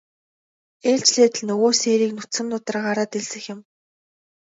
Ээлжлээд л нөгөө сээрийг нүцгэн нударгаараа дэлсэх юм.